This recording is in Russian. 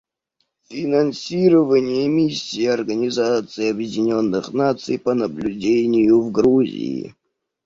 Финансирование Миссии Организации Объединенных Наций по наблюдению в Грузии.